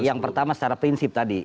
yang pertama secara prinsip tadi